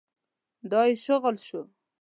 دا يې شغل شو.